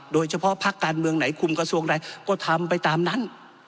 โดยเฉพาะภาคการเมืองไหนคุมกระทรวงไหนก็ทำไปตามนั้น